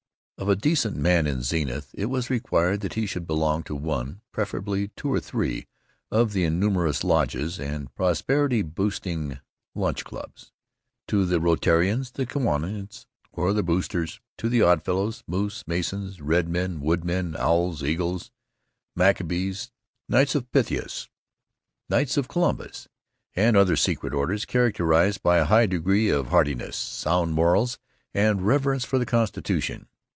Of a decent man in Zenith it was required that he should belong to one, preferably two or three, of the innumerous "lodges" and prosperity boosting lunch clubs; to the Rotarians, the Kiwanis, or the Boosters; to the Oddfellows, Moose, Masons, Red Men, Woodmen, Owls, Eagles, Maccabees, Knights of Pythias, Knights of Columbus, and other secret orders characterized by a high degree of heartiness, sound morals, and reverence for the Constitution.